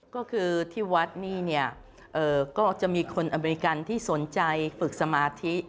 ก็คือที่วัดนี่เนี่ยก็จะมีคนอเมริกันที่สนใจฝึกสมาธิ